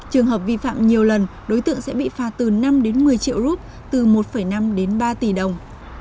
trường hợp vi phạm nhiều lần đối tượng sẽ bị phạt từ năm đến một mươi triệu rup từ một năm đến ba tỷ đồng